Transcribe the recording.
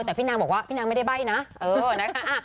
แต่พี่นางบอกว่าพี่นางไม่ได้ใบ้นะเออนะคะ